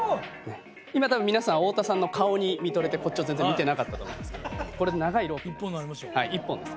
今多分皆さん太田さんの顔に見とれてこっちを全然見ていなかったと思うんですけどこれで長いロープになります。